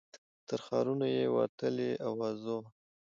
تر ښارونو یې وتلې آوازه وه